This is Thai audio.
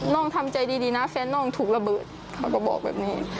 ทำใจดีนะแฟนน้องถูกระเบิดเขาก็บอกแบบนี้